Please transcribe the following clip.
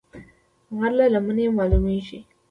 غر له لمنې مالومېږي